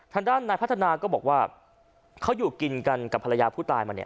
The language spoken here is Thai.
ทางด้านนายพัฒนาก็บอกว่าเขาอยู่กินกันกับภรรยาผู้ตายมาเนี่ย